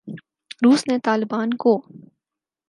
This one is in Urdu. روس نے طالبان کو